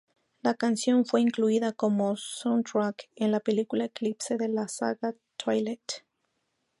La canción fue incluida como soundtrack en la película Eclipse de la saga Twilight.